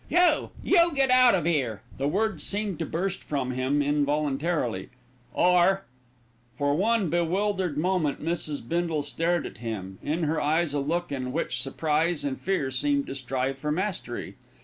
"You you get out of 'ere!" the words seemed to burst from him involuntarily, "or " For one bewildered moment, Mrs. Bindle stared at him, in her eyes a look in which surprise and fear seemed to strive for mastery.